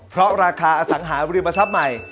เพราะราคาอสังหาริมทรัพย์ใหม่